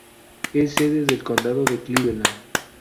Es sede del condado de Cleveland.